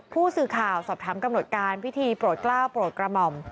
ผู้สื่อข่าวสอบถามกำหนดการพิธีโปรดกล้าวโปรดกระหม่อม